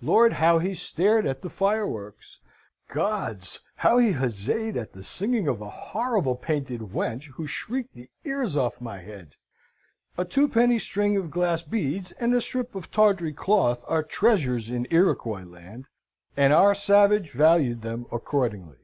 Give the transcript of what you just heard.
Lord, how he stared at the fireworks! Gods, how he huzzayed at the singing of a horrible painted wench who shrieked the ears off my head! A twopenny string of glass beads and a strip of tawdry cloth are treasures in Iroquois land, and our savage valued them accordingly.